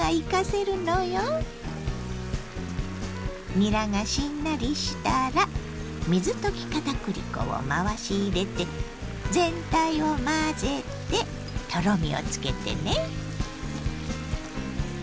にらがしんなりしたら水溶き片栗粉を回し入れて全体を混ぜてとろみをつけてね。